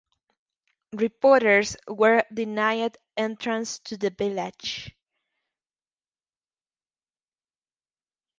Reporters were denied entrance to the village.